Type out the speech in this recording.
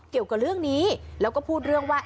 เกี่ยวกับเรื่องนี้แล้วก็พูดเรื่องว่า